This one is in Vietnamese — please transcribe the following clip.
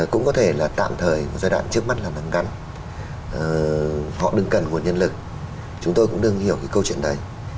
cũng có thể là tạm thời giai đoạn trước mắt là nắng ngắn họ đừng cần nguồn nhân lực chúng tôi cũng đừng hiểu cái câu chuyện đấy